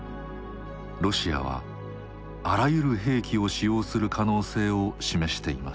ロシアはあらゆる兵器を使用する可能性を示しています。